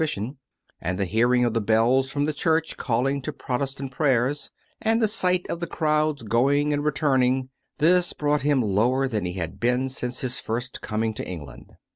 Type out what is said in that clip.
343 picion) — and the hearing of the bells from the church calling to Protestant prayers, and the sight of the crowds going and returning — this brought him lower than he had been since his first coming to England.